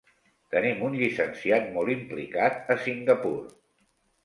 Tenim un llicenciat molt implicat a Singapur.